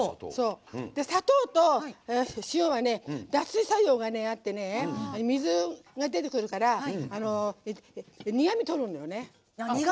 砂糖と塩は脱水作用があって水が出てくるから苦み、とるんだよね。